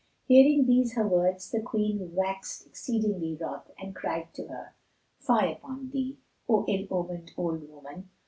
Hearing these her words the Queen waxed exceeding wroth and cried to her, "Fie upon thee, O ill omened old woman!